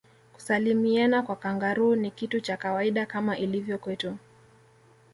kusalimiana kwa kangaroo ni kitu cha kawaida kama ilivyo kwetu